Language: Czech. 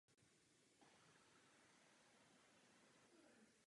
Nicméně, nelze si nevšimnout, že občané Guineje novou vládu podporují.